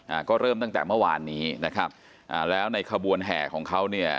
อ่าก็เริ่มตั้งแต่เมื่อวานนี้นะครับอ่าแล้วในขบวนแห่ของเขาเนี่ย